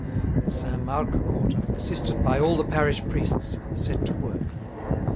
The Saint Marc quarter, assisted by all the parish priests, set to work.